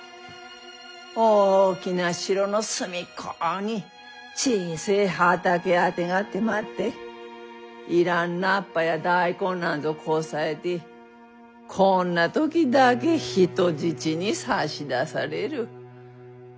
大きな城の隅っこにちいせえ畑あてがってまって要らん菜っぱや大根なんぞこさえてこんな時だけ人質に差し出される。